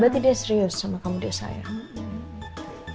berarti dia serius sama kamu dia sayang